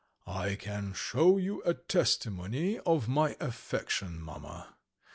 "I can show you a testimony of my affection, mamma.